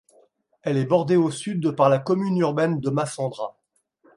Elle est bordée au sud par la commune urbaine de Massandra.